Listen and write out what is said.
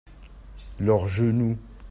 leur genou.